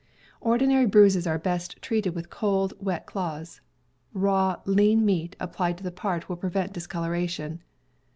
Ordinary bruises are best treated with cold, wet cloths. Raw, lean meat applied to the part will prevent , discoloration.